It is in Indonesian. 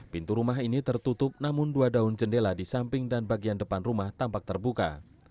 pintu rumah ini tertutup namun dua daun jendela di samping dan bagian depan rumah tampak terbuka